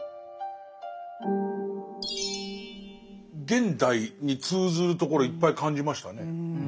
現代に通ずるところいっぱい感じましたね。